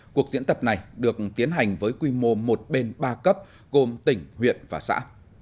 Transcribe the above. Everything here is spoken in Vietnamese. cuộc diễn tập này được tiến hành với quy mô một bên ba cấp gồm tỉnh huyện và xã